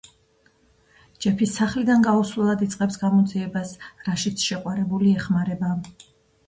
ჯეფი სახლიდან გაუსვლელად იწყებს გამოძიებას, რაშიც შეყვარებული ეხმარება.